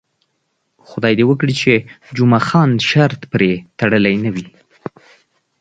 خدای دې وکړي چې جمعه خان شرط پرې تړلی نه وي.